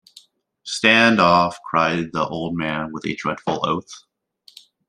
“Stand off!” cried the old man, with a dreadful oath.